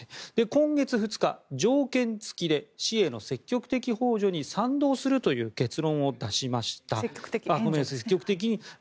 今月２日、条件付きで死への積極的援助に賛同するという結論を出しました。